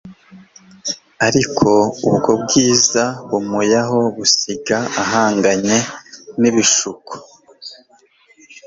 Ariko ubwo bwiza bumuyaho, busiga ahanganye n'ibishuko.